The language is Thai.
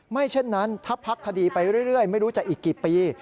เช่นนั้นถ้าพักคดีไปเรื่อยไม่รู้จะอีกกี่ปี